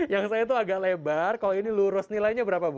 yang saya tuh agak lebar kalau ini lurus nilainya berapa bu